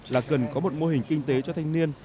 là cần có một mô hình kinh tế cho thanh niên